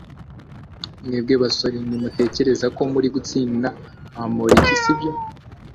Mwebwe basore ntimutekereza ko bari gutsinda Bamoriki sibyo